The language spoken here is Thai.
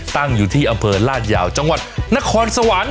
ตั้งอยู่ที่อำเภอลาดยาวจังหวัดนครสวรรค์